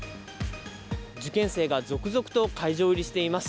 受験生が続々と会場入りしています。